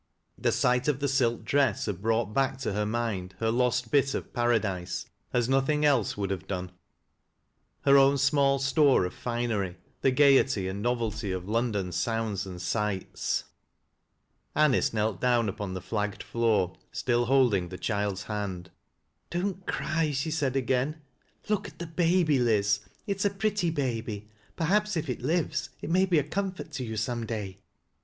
The sight of the silk dress had brought back to her mind her lost bit of paradise as nothing else would have done — her own small store of finery, the gayety and novelty of London sounds and sights. Anice knelt down upon the flagged floor, still holding iiie child's hand. " Don't cry," she said again. " Look at the baby, Laz It is a pretty baby. Perhaps if it lives, it may be a comfort to you some day."